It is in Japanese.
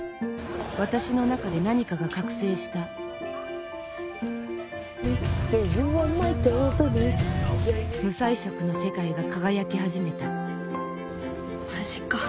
私の中で何かが覚醒した無彩色の世界が輝き始めたマジか。